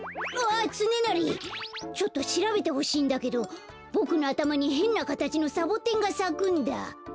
あっつねなりちょっとしらべてほしいんだけどボクのあたまにへんなかたちのサボテンがさくんだ。